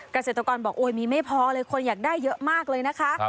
เกษตรกรบอกโอ้ยมีไม่พอเลยคนอยากได้เยอะมากเลยนะคะ